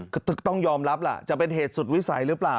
ก็ต้องยอมรับล่ะจะเป็นเหตุสุดวิสัยหรือเปล่า